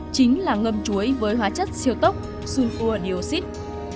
chính là ngâm chuối với hoa chất siêu tốc sulfur dioxide